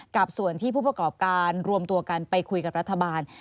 กับส่วนที่ผู้ประกอบการรวมตัวกันไปคุยกับรัฐบาล